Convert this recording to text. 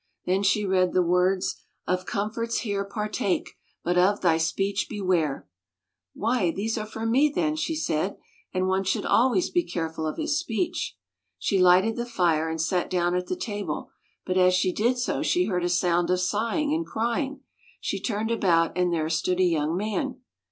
Then she read the words: "Of comforts here, partake; but of thy speech beware!" " AVhy, these are for me, then," she said ;" and one should always be careful of his speech." She lighted the fire, and sat down at the table; but as she did so she heard a sound of sighing and crying. She turned about and there stood a young man.